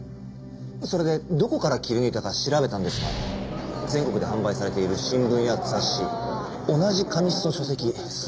それでどこから切り抜いたか調べたんですが全国で販売されている新聞や雑誌同じ紙質の書籍全て当たったんですが。